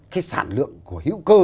cái sản lượng của hữu cơ